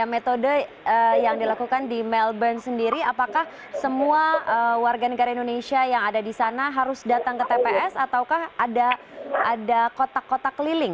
metode yang dilakukan di melbourne sendiri apakah semua warga negara indonesia yang ada di sana harus datang ke tps ataukah ada kotak kotak keliling